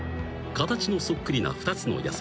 ［形のそっくりな２つの野菜］